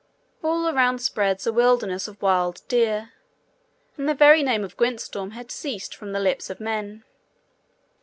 All around spreads a wilderness of wild deer, and the very name of Gwyntystorm had ceased from the lips of men.